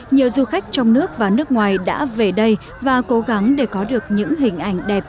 nhiều du khách trong nước và nước ngoài đã về đây và cố gắng để có được những hình ảnh đẹp